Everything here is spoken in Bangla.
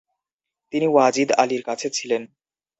তিনি ওয়াজিদ আলির কাছে ছিলেন।